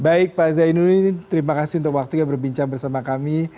baik pak zainul ini terima kasih untuk waktu yang berbincang bersama kami